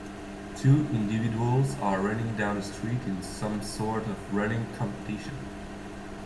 Two individuals are running down a street in some sort of running competition.